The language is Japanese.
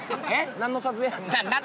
何の撮影？